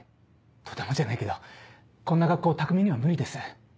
とてもじゃないけどこんな学校匠には無理です。